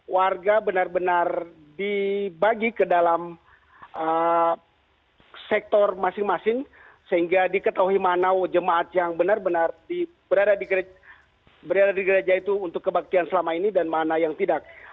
warga benar benar dibagi ke dalam sektor masing masing sehingga diketahui mana jemaat yang benar benar berada di gereja itu untuk kebaktian selama ini dan mana yang tidak